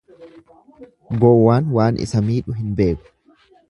Gowwaan waan isa miidhu hin beeku.